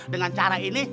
dengan cara ini